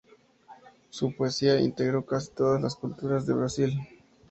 Su poesía integró casi todas las culturas de Brasil.